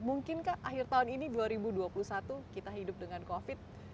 mungkinkah akhir tahun ini dua ribu dua puluh satu kita hidup dengan covid